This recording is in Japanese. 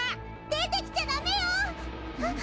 出てきちゃダメよ！あっ。